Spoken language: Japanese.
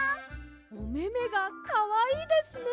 おめめがかわいいですね。